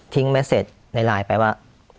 ทิ้งเมสเซ็จในไลน์ไปว่า